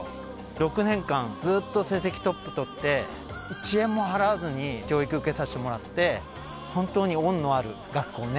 ６年間ずっと成績トップ取って１円も払わずに教育受けさしてもらって本当に恩のある学校ね。